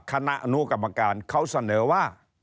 คณะอนุกรรมการเขาเสนอว่า